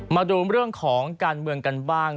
มาดูเรื่องของการเมืองกันบ้าง